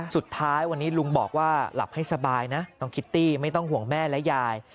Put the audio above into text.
สุดท้ายวันนี้ลุงบอกว่าหลับให้สบายนะน้องคิตตี้ไม่ต้องห่วงแม่และยาย